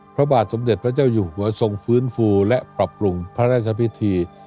พระบาทสมเด็จพระเจ้าอยู่หัวทรงฟื้นฟูและปรับปรุงพระราชพิธี